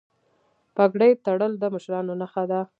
پګړۍ تړل د مشرانو نښه ده.